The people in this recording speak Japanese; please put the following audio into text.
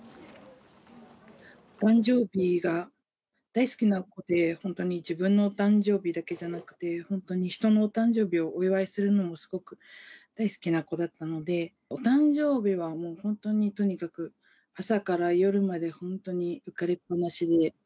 誕生日が大好きな子で、本当に自分のお誕生日だけじゃなくて、本当に人のお誕生日をお祝いするのもすごく大好きな子だったので、お誕生日はもう本当にとにかく、朝から夜まで本当に浮かれっぱなしで。